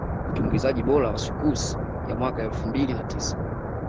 Mtumbuizaji bora wa Soukous ya mwaka elfu mbili na tisa